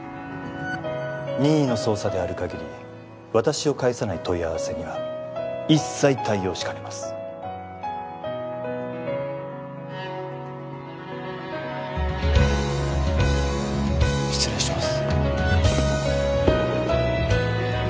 任意の捜査である限り私を介さない問い合わせには一切対応しかねます失礼します